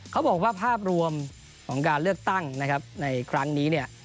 เขาบอกว่าภาพรวมของการเลือกตั้งในครั้งนี้